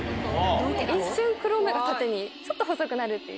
一瞬黒目が縦にちょっと細くなるっていう。